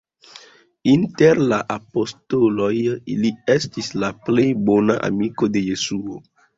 Inter la apostoloj, li estis la plej bona amiko de Jesuo.